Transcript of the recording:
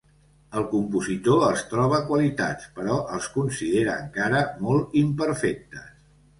El compositor els troba qualitats però els considera encara molt imperfectes.